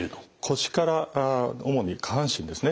腰から主に下半身ですね。